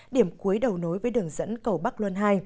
điểm cuối đầu nối với đường dẫn cầu bắc luân hai